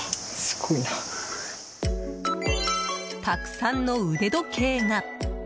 たくさんの腕時計が。